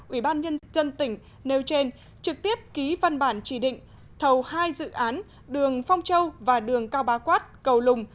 ubnd tỉnh nêu trên trực tiếp ký văn bản chỉ định thầu hai dự án đường phong châu và đường cao ba quát cầu lùng